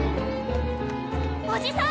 ・おじさん！